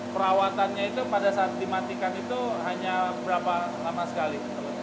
perawatannya itu pada saat dimatikan itu hanya berapa lama sekali